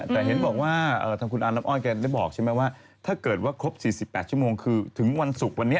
แต่เห็นบอกว่าทางคุณอาน้ำอ้อยแกได้บอกใช่ไหมว่าถ้าเกิดว่าครบ๔๘ชั่วโมงคือถึงวันศุกร์วันนี้